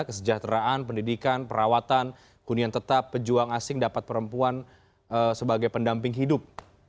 kesejahteraan pendidikan perawatan kunian tetap pejuang asing dapat perempuan sebagai pendamping hidup